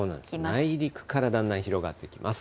内陸からだんだん広がってきます。